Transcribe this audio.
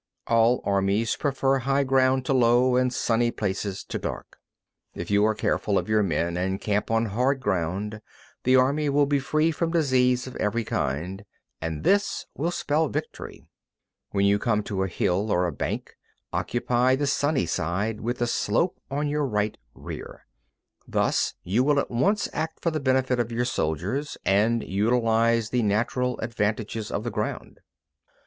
11. All armies prefer high ground to low, and sunny places to dark. 12. If you are careful of your men, and camp on hard ground, the army will be free from disease of every kind, and this will spell victory. 13. When you come to a hill or a bank, occupy the sunny side, with the slope on your right rear. Thus you will at once act for the benefit of your soldiers and utilise the natural advantages of the ground.